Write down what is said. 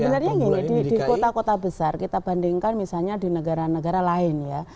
sebenarnya gini di kota kota besar kita bandingkan misalnya di negara negara lain ya